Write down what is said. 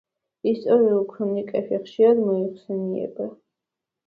ისტორიულ ქრონიკებში ხშირად მოიხსენიება.